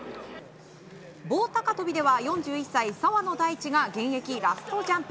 棒高跳びでは４１歳、澤野大地が現役ラストジャンプ。